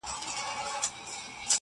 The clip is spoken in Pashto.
عُمر مي دي ستاسی، وايي بله ورځ-